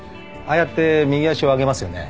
ああやって右足を上げますよね。